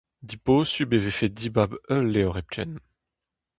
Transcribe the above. Dibosupl e vefe dibab ul levr hepken !